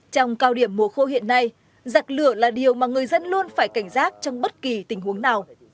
trong cao điểm mùa khô hiện nay giặc lửa là điều mà người dân luôn phải cảnh giác trong bất kỳ tình huống nào